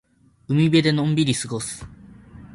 海辺でのんびり過ごす。